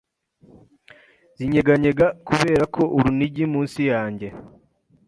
zinyeganyega Kuberako urunigi munsi yanjye